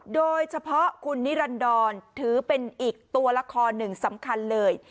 โดยเฉพาะคุณนิรันดรถือเป็นอีกตัวละครหนึ่งสำคัญเลย